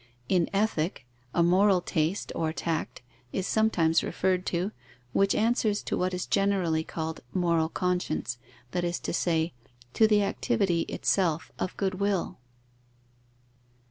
In Ethic, a moral taste or tact is sometimes referred to, which answers to what is generally called moral conscience, that is to say, to the activity itself of good will.